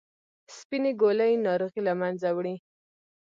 سپینې ګولۍ ناروغي له منځه وړي.